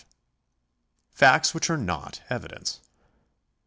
V. Facts which are not evidence.